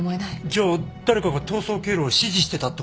じゃあ誰かが逃走経路を指示してたってことか？